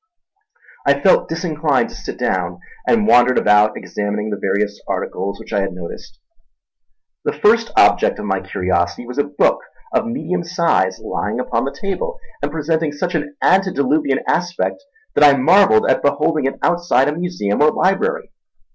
I felt disinclined to sit down, and wandered about examining the various articles which I had noticed. The first object of my curiosity was a book of medium size lying upon the table and presenting such an antediluvian aspect that I marvelled at beholding it outside a museum or library.